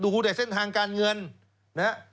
ถูว์อยู่ในเส้นทางการเงินน่ะ